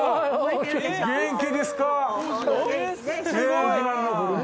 元気ですか？